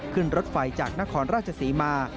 ขึ้นรถไฟจากนครราชศรีมา